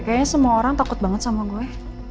kayaknya semua orang takut banget sama gue